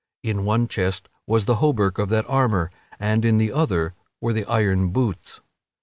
In one chest was the hauberk of that armor and in the other were the iron boots.